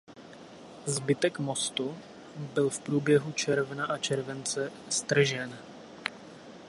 Zbytek mostu byl v průběhu června a července stržen.